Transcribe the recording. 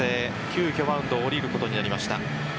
急きょマウンドを降りることになりました。